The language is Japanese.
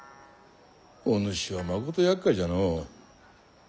お主はまことやっかいじゃのう。